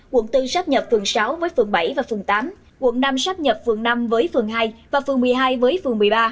quận bốn sắp nhập phường sáu với phường bảy và phường tám quận năm sắp nhập phường năm với phường hai và phường một mươi hai với phường một mươi ba